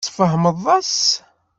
Tfehmeḍ-as?